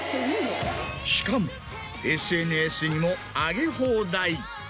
しかもＳＮＳにも上げ放題。